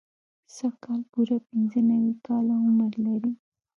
سږ کال پوره پنځه نوي کاله عمر لري.